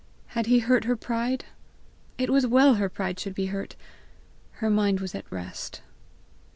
Had he hurt her pride? It was well her pride should be hurt! Her mind was at rest.